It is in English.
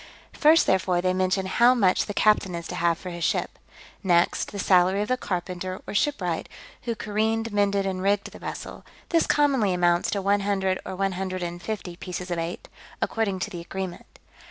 First, therefore, they mention how much the captain is to have for his ship; next, the salary of the carpenter, or shipwright, who careened, mended, and rigged the vessel: this commonly amounts to one hundred or one hundred and fifty pieces of eight, according to the agreement.